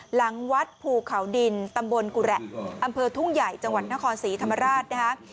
หลังวัดภูเขาดินตำบลกุระอำเภอทุ่งใหญ่จังหวัดนครศรีธรรมราชนะคะ